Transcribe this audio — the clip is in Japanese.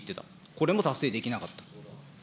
これも達成できなかった。